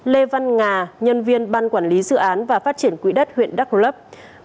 lê văn ngà nhân viên ban quản lý dự án và phát triển quỹ đất huyện đắk lấp